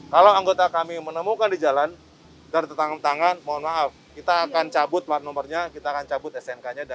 kalau anggota kami menemukan di jalan tertangkap tangan mohon maaf kita akan cabut plat nomornya kita akan cabut snk nya